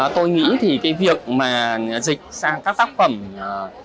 tôi nghĩ thì cái việc mà dịch sang các tác phẩm